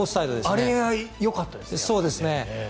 あれがよかったですね。